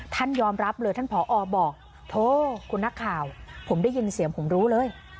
ท่านยอมรับเลยท่านผอบอกโถคุณนักข่าวผมได้ยินเสียงผมรู้เลย